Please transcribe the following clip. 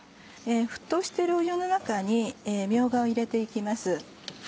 沸騰してる湯の中にみょうがを入れて行きます。